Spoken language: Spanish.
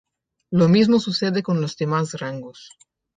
Lo mismo sucede con los demás rangos.